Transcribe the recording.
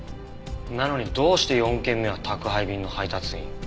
なのにどうして４件目は宅配便の配達員？